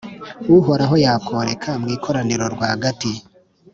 Uhoraho yakoreka mu ikoraniro rwagati,,